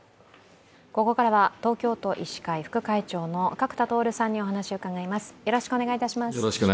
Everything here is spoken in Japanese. ここからは東京都医師会副会長の角田徹さんにお話を伺います。